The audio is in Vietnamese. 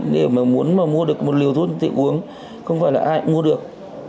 nếu mà muốn mà mua được một liều thuốc thì uống không phải là ai cũng mua được